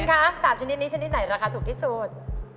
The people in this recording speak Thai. คะ๓ชนิดนี้ชนิดไหนราคาถูกที่สุด